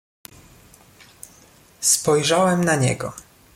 "Spojrzałem na niego."